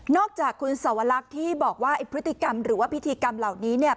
อกจากคุณสวรรคที่บอกว่าไอ้พฤติกรรมหรือว่าพิธีกรรมเหล่านี้เนี่ย